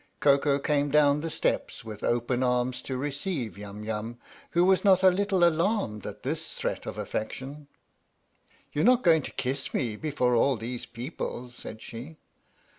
Koko came down the steps, with open arms, to receive Yum Yum, who was not a little alarmed at this threat of affection. " You're not going to kiss me before all these people?" said she.